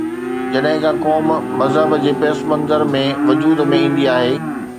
جڏهن ڪا قوم مذهب جي پس منظر ۾ وجود ۾ ايندي آهي.